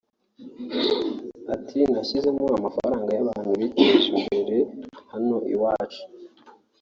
Ati “Nashyizemo amafoto y’abantu biteje imbere hano iwacu